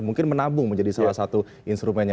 mungkin menabung menjadi salah satu instrumennya